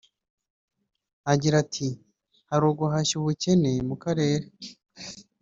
Agira ati "Hari uguhashya ubukene mu karere